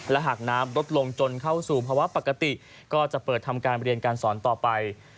และหากน้ำลดลงจนเข้าสู่ภาวะปกติก็จะเปิดทำการเรียนการสอนต่อไป